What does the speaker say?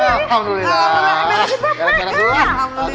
alhamdulillah emang dah